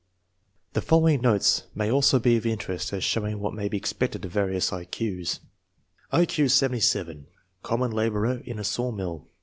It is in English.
The following notes may also be of interest as show ing what may be expected of various I Q's: I Q 77. Common laborer in a sawmill.